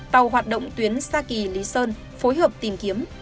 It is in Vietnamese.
tàu hoạt động tuyến sa kỳ lý sơn phối hợp tìm kiếm